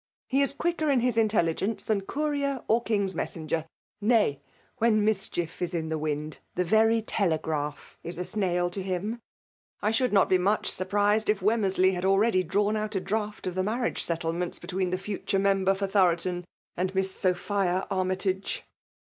He is quicker in his intelligence than eomner or king's messenger; nay, when misehiefis^inth^ wind, the very telegraph is a snail tohim^ I should not be much surprised if Wenvmdrdey had already drawn out a draught of the onp riage settlements between the ftiture member for Thoroton and Miss Sophia Armytage."